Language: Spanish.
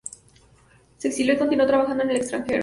Se exilió y continuó trabajando en el extranjero.